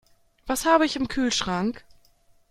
Was habe ich im Kühlschrank?